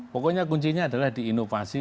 pokoknya kuncinya adalah di inovasi